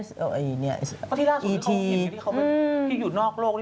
เพราะที่ด้านสุดที่เขาคิดที่อยู่นอกโลก